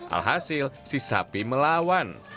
alhasil si sapi melawan